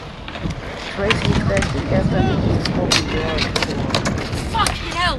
Tracy trägt in erster Linie Spoken Word vor.